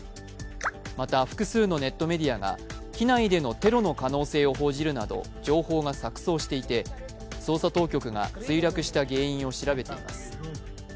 また、複数のネットメディアが機内でのテロの可能性があるなど情報が錯そうしていて捜査当局が墜落した原因を調べています。